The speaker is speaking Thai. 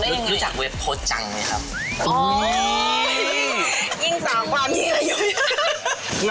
ไปรู้จักน้องได้ยังไง